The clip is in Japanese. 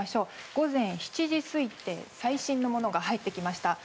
午前７時推定の最新のものが入ってきました。